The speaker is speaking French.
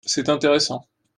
C’est intéressant.